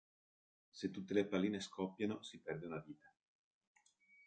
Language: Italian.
Se tutte le palline scoppiano, si perde una vita.